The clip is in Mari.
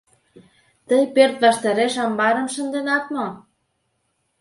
Тый пӧрт ваштареш амбарым шынденат мо?